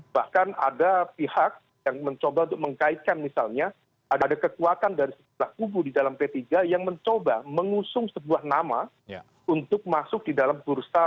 bahkan ada pihak yang mencoba untuk mengkaitkan misalnya ada kekuatan dari sebelah kubu di dalam p tiga yang mencoba mengusung sebuah nama untuk masuk di dalam bursa